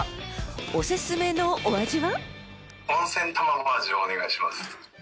おすすめのお味は？